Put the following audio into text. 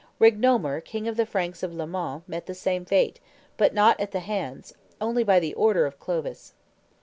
Rignomer, king of the Franks of Le Mans, met the same fate, but not at the hands, only by the order, of Clovis.